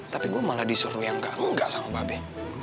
tapi gue malah disuruh yang enggak sama babe